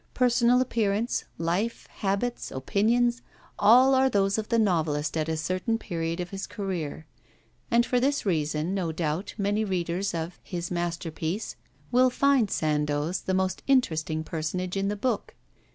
Personal appearance, life, habits, opinions, all are those of the novelist at a certain period of his career; and for this reason, no doubt, many readers of 'His Masterpiece' will find Sandoz the most interesting personage in the book.